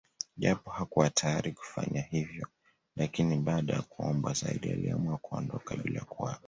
Japo hakuwa tayari kufanya hivyo lakini baada ya kuombwa zaidi aliamua kuondoka bila kuaga